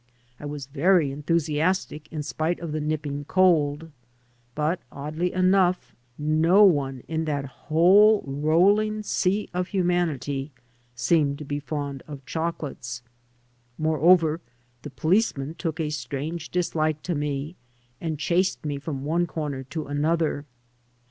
I was very enthusiastic in spite of the nipping cold. But, oddly enough, no one in that whole rolling sea of humanity seemed to be fond of chocolates. Moreover, the poUceman took a strange dislike to me and chased me from one comer to another.